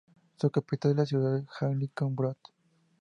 Su capital es la ciudad de Havlíčkův Brod.